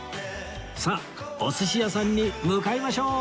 さあお寿司屋さんに向かいましょう！